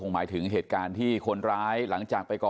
คนทำงานอยู่ด้วยกันเห็นหน้ากัน